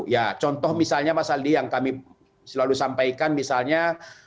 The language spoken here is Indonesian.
ya contoh misalnya mas aldi yang kami selalu sampaikan misalnya